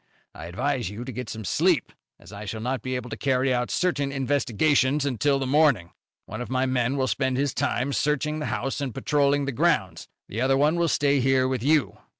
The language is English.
I advise you to get some sleep, as I shall not be able to carry out certain investigations until the morning. One of my men will spend his time searching the house and patrolling the grounds, the other one will stay here with you."